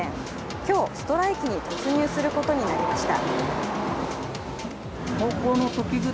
今日、ストライキに突入することになりました。